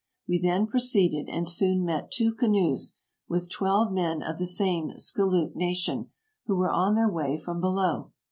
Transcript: We then proceeded, and soon met two canoes, with twelve men of the same Skilloot nation, who were on their way from be low.